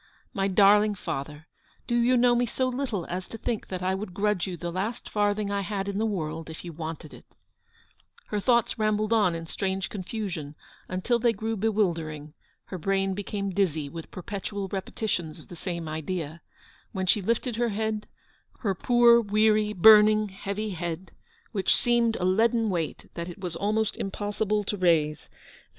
My darling father, do you know me so little as to think that I would grudge you the last farthing I had in the world, if you wanted it T 3 Her thoughts rambled on in strange confusion until they grew bewildering; her brain became dizzy with perpetual repetitions of the same idea ; when she lifted her head — her poor, weary, burning, heavy head, which seemed a leaden weight that it was almost impossible to raise — and GOOD BAMAMTANB.